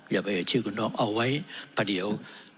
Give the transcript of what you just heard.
อย่าไปเอ่ยชื่อคุณน้องเอาไว้ประเดียว